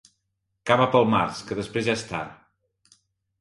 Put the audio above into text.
Cava pel març, que després ja és tard.